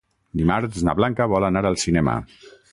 Dimarts na Blanca vol anar al cinema.